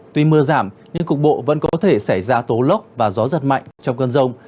tuy mưa giảm nhưng cục bộ vẫn có thể xảy ra tố lốc và gió giật mạnh trong cơn rông